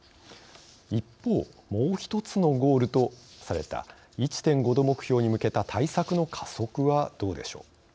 一方もう一つのゴールとされた１．５℃目標に向けた対策の加速はどうでしょう。